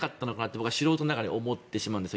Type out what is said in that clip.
僕は素人ながらに思ってしまうんですよ。